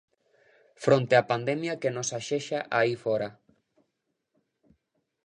Fronte á pandemia que nos axexa aí fóra.